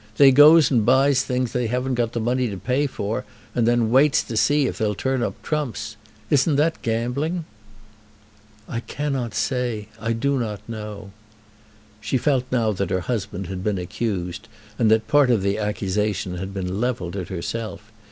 They goes and buys things that they haven't got the money to pay for, and then waits to see if they'll turn up trumps. Isn't that gambling?" "I cannot say. I do not know." She felt now that her husband had been accused, and that part of the accusation had been levelled at herself.